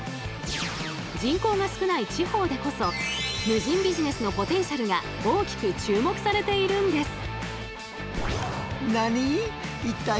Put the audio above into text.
人口が少ない地方でこそ無人ビジネスのポテンシャルが大きく注目されているんです。